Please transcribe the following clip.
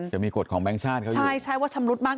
จะมีกฎของแบงค์ชาติเค้าอยู่